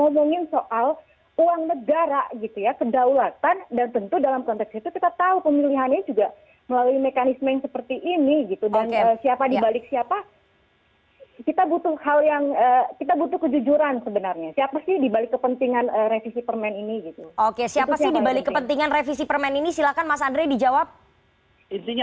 bergabung bersama dengan mas kurniawan